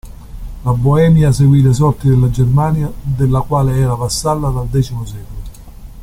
La Boemia seguì le sorti della Germania, della quale era vassalla dal X secolo.